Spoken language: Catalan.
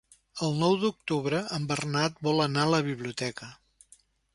El nou d'octubre en Bernat vol anar a la biblioteca.